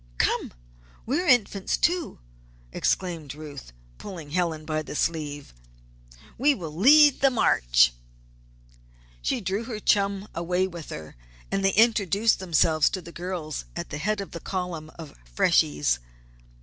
"Come! we are Infants, too," exclaimed Ruth, pulling Helen by the sleeve. "We will lead the march." She drew her chum away with her, and they introduced themselves to the girls at the head of the column of freshies.